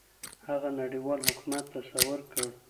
هغه نړيوال حکومت تصور کړ.